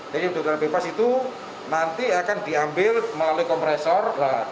jadi udara bebas itu nanti akan diambil melalui kompresor